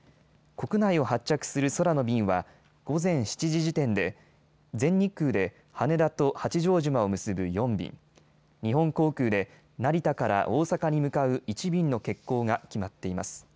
国内を発着する空の便は午前７時時点で全日空で羽田と八丈島を結ぶ４便、日本航空で成田から大阪に向かう１便の欠航が決まっています。